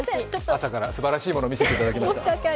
朝からすばらしいものを見せていただきました。